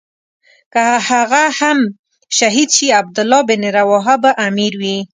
که هغه هم شهید شي عبدالله بن رواحه به امیر وي.